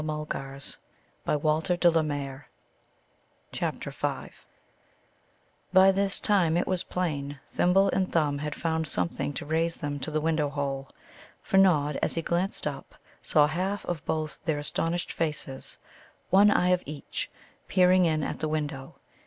CHAPTER V By this time, it was plain, Thimble and Thumb had found something to raise them to the window hole, for Nod, as he glanced up, saw half of both their astonished faces (one eye of each) peering in at the window.